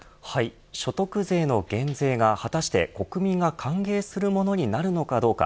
所得税の減税が果たして国民が歓迎するものになるのかどうか。